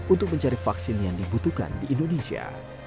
untuk mencari vaksin yang dibutuhkan di indonesia